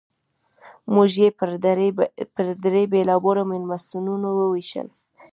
موږ یې پر درې بېلابېلو مېلمستونونو ووېشل.